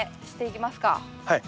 はい。